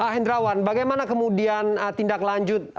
pak hendrawan bagaimana kemudian tindak lanjut